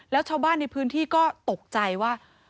แล้วชาวบ้านในพื้นที่ก็ตกใจว่า